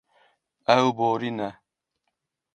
Ew borîne.